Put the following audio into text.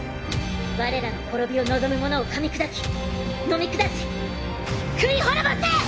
我らの滅びを望む者をかみ砕き呑み下し喰い滅ぼせ！